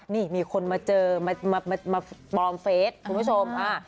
นี่มีคนมาเจอมาปลอมเฟสคุณผู้ชม